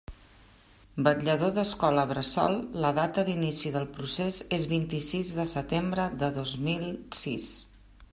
Vetllador d'Escola Bressol, la data d'inici del procés és vint-i-sis de setembre de dos mil sis.